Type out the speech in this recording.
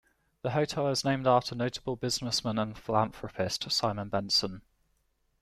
The hotel is named after notable businessman and philanthropist Simon Benson.